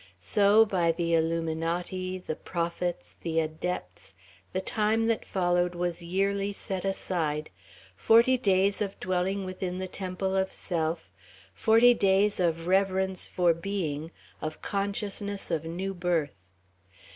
So, by the illuminati, the prophets, the adepts, the time that followed was yearly set aside forty days of dwelling within the temple of self, forty days of reverence for being, of consciousness of new birth.